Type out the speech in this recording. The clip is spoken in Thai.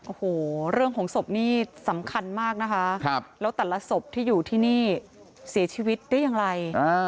โอ้โหเรื่องของศพนี่สำคัญมากนะคะแล้วแต่ละศพที่อยู่ที่นี่เสียชีวิตได้อย่างไร